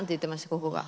ここが。